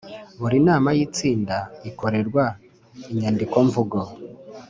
Buri nama y itsinda ikorerwa inyandikomvugo